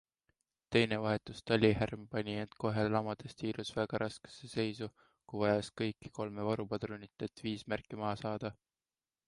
Teine vahetus Talihärm pani end kohe lamadestiirus väga raskesse seisu, kui vajas kõiki kolme varupadrunit, et viis märki maha saada.